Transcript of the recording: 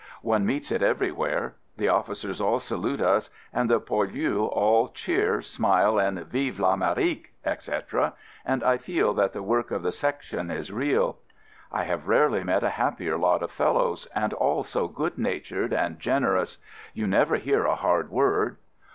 One meets it everywhere. The officers all salute us and the poilus all cheer, smile, and "vive FAmerique," etc., and I feel that the work of the Section is real. I have rarely met a happier lot of fellows and all so good natured and generous. You never hear a hard word.